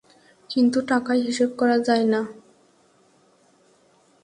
কিন্তু টাকায় হিসেব করা যায় না।